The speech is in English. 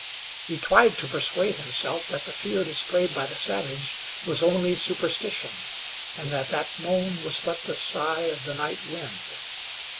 He tried to persuade himself that the fear displayed by the savage was only superstition, and that that moan was but the sigh of the night wind.